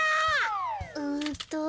うんと。